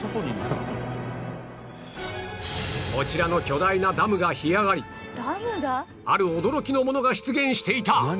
こちらの巨大なダムが干上がりある驚きのものが出現していた